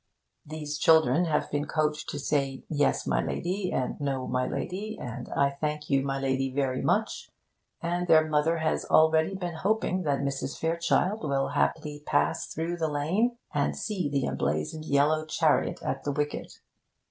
These children have been coached to say 'Yes, my lady,' and 'No, my lady,' and 'I thank you, my lady, very much'; and their mother has already been hoping that Mrs. Fairchild will haply pass through the lane and see the emblazoned yellow chariot at the wicket.